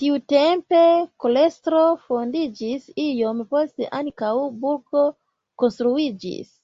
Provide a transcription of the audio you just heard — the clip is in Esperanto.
Tiutempe klostro fondiĝis, iom poste ankaŭ burgo konstruiĝis.